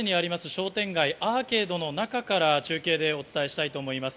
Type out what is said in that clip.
商店街、アーケードの中から中継でお伝えしたいと思います。